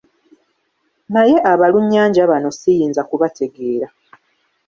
Naye abalunnyanja bano siyinza kubategeera.